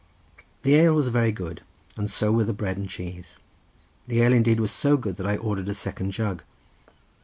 The ale was very good, and so were the bread and cheese. The ale indeed was so good that I ordered a second jug.